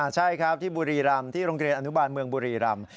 ใช่ครับที่บุรีรำที่โรงเรียนอนุบาลเมืองบุรีรำ